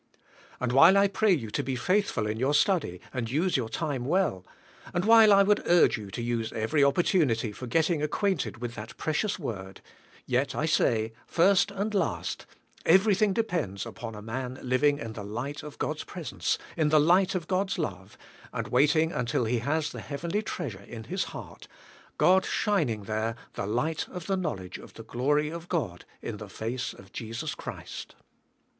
And while I pray you to be faithful in your study and use your time well, and while I would urg"e you use every opportunity for getting" acquainted with that precious word, yet I say, first and last, everything depends upon a man living in the light of God's presence, in the light of God's love, and waiting until he has the heavenly treasure in his heart, God shining there the light of the knowledge of the glory of God in the face of Jesus Christ.